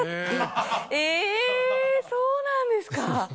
そうなんですか。